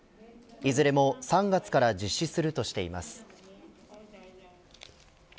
いずれも３月から実施するとしています。